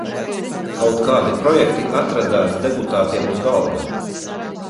Kaut kādi projekti atradās deputātiem uz galda.